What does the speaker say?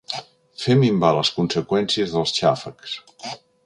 Fer minvar les conseqüències dels xàfecs.